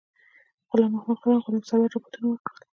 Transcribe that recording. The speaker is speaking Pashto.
غلام محمدخان او غلام سرور رپوټونه ورکړل.